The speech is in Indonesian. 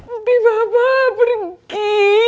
ibu bapak pergi